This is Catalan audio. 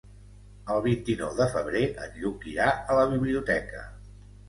El vint-i-nou de febrer en Lluc irà a la biblioteca.